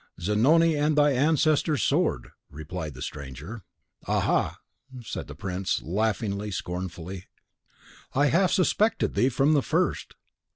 "Zanoni and thy ancestor's sword," replied the stranger. "Ha! ha!" said the prince, laughing scournfully; "I half suspected thee from the first.